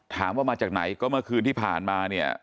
มาจากไหนก็เมื่อคืนที่ผ่านมาเนี่ย